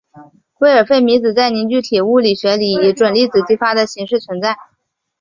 魏尔费米子在凝聚体物理学里以准粒子激发的形式存在。